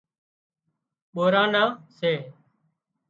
ٻوران نان سي